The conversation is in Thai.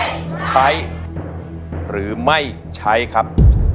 ใช้หรือไม่ใช้ครับ